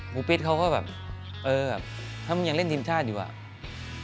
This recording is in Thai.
กูปิ๊ดเขาก็แบบเออถ้ามึงยังเล่นทีมชาติดีกว่า